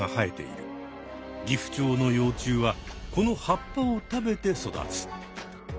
ギフチョウの幼虫はこの葉っぱを食べて育つ。